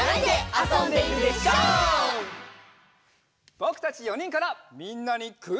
ぼくたち４にんからみんなにクイズ！